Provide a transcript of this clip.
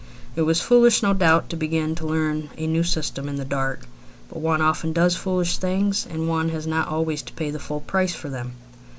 It was foolish, no doubt, to begin to learn a new system in the dark, but one often does foolish things, and one has not always to pay the full price for them.